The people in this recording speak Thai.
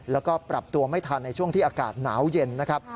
แล้วก็ปรับตัวไม่ทันในช่วงที่อากาศหนาวเย็นนะครับ